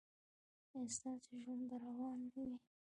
ایا ستاسو ژوند به روان نه وي؟